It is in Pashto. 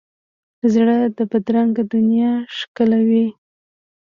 زړه د بدرنګه دنیا ښکلاوي.